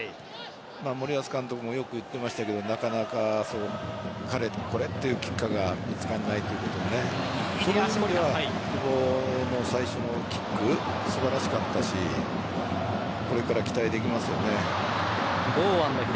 森保監督もよく言っていましたがなかなか彼にこれというきっかけが見つからないということで久保も最初のキック素晴らしかったしこれから期待できますよね。